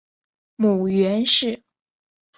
母袁氏。